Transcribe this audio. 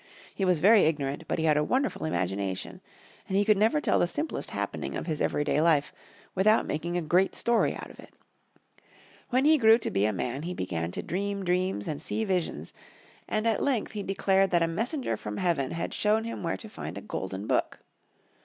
He was very ignorant, but he had a wonderful imagination, and he could never tell the simplest happening of his everyday life without making a great story out of it. When he grew to be a man he began to dream dreams and see visions, and at length he declared that a messenger from heaven had shown him where to find a golden book.